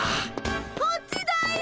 こっちだよ！